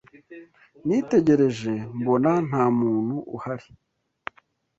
Nitegereje mbona nta muntu uhari